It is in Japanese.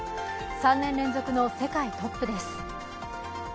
３年連続の世界トップです。